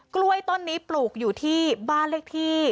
กล้วยต้นนี้ปลูกอยู่ที่บ้านเลขที่